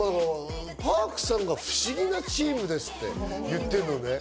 Ｐａｒｋさんが不思議なチームですって言ってるのね。